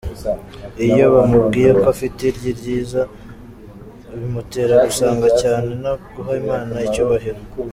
Iyo bamubwiye ko afite iryi ryiza, bimutera gusenga cyane no guha Imana icyubahiro.